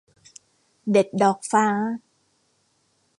เด็ดดอกฟ้า